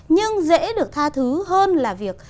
nhưng dễ được tha thứ hơn là việc